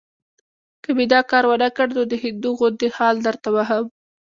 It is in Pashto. که مې دا کار ونه کړ، نو د هندو غوندې خال درته وهم.